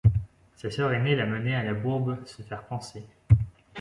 Sa sœur aînée l’a menée à la Bourbe se faire panser.